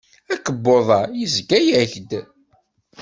Akebbuḍ-a yezga-ak-d.